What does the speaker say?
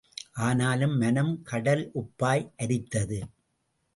ஆனாலும் மனம், கடல் உப்பாய் அரித்தது.